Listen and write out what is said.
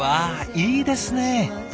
いいですね！